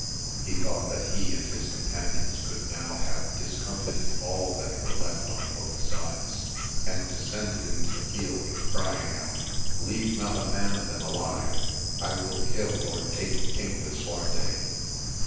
He thought that he and his companions could now have discomfited all that were left on both sides, and descended into the field, crying out, Leave not a man of them alive; I will kill or take King Lisuarte.